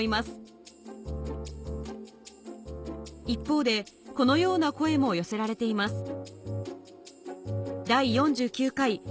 一方でこのような声も寄せられています